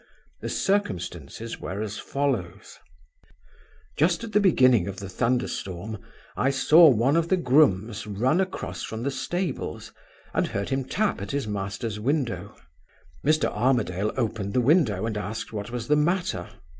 The circumstances were as follows: "Just at the beginning of the thunder storm, I saw one of the grooms run across from the stables, and heard him tap at his master's window. Mr. Armadale opened the window and asked what was the matter.